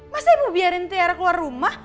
masa ibu biarin tiara keluar rumah